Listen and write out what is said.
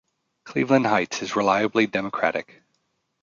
Cleveland Heights is reliably Democratic.